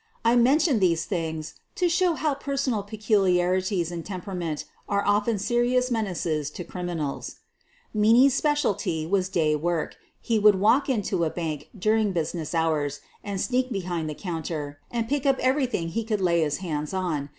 I mention f these things to show how personal peculiarities and temperament are often serious menaces to criminals. Meaney's specialty was day work. He would walk into a bank during business hours and sneak behind the counter and pick up everything he could lay his hands on.